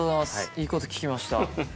いいこと聞きました。